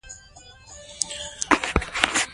دښمن ته ماته ورغله.